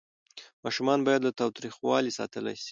ماشومان باید له تاوتریخوالي ساتل سي.